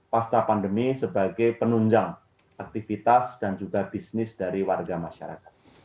pasca pandemi sebagai penunjang aktivitas dan juga bisnis dari warga masyarakat